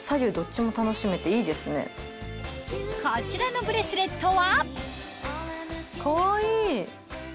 こちらのブレスレットは？